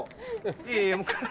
いやいや。